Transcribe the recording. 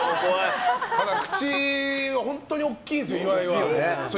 口は本当に大きいんですよ岩井は。